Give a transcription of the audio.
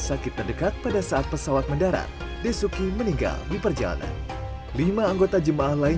sakit terdekat pada saat pesawat mendarat desuki meninggal di perjalanan lima anggota jemaah lain